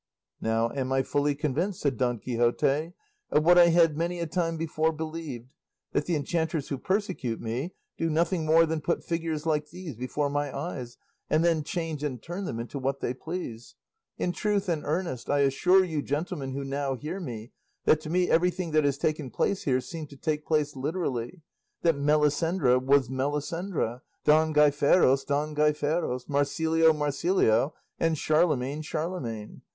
"Now am I fully convinced," said Don Quixote, "of what I had many a time before believed; that the enchanters who persecute me do nothing more than put figures like these before my eyes, and then change and turn them into what they please. In truth and earnest, I assure you gentlemen who now hear me, that to me everything that has taken place here seemed to take place literally, that Melisendra was Melisendra, Don Gaiferos Don Gaiferos, Marsilio Marsilio, and Charlemagne Charlemagne.